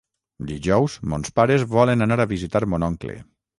Dijous mons pares volen anar a visitar mon oncle.